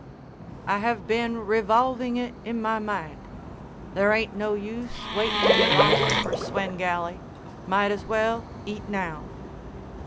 "I have been revolving it in my mind. There ain't no use waitin' any longer for Swengalley. Might as well eat now."